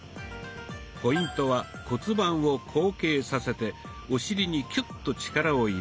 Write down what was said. ポイントは骨盤を後傾させてお尻にキュッと力を入れること。